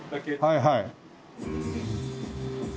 はいはい。